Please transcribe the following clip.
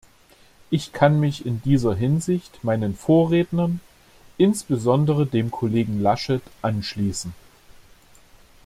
Ich kann mich in dieser Hinsicht meinen Vorrednern, insbesondere dem Kollegen Laschet anschließen.